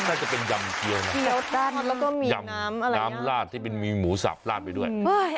น่าจะเป็นยำเจียวนะแล้วก็มียำน้ำลาดที่เป็นมีหมูสับลาดไปด้วย